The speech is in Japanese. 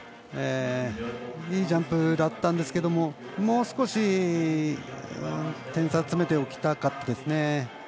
いいジャンプだったんですけどもう少し点差詰めておきたかったですね。